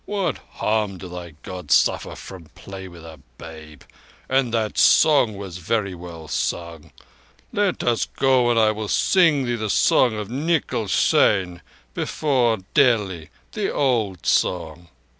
What harm do thy Gods suffer from play with a babe? And that song was very well sung. Let us go on and I will sing thee the song of Nikal Seyn before Delhi—the old song."